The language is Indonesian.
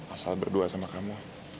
asal berdua sama kamu